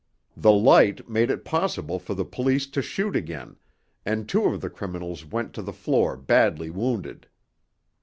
The light made it possible for the police to shoot again, and two of the criminals went to the floor badly wounded.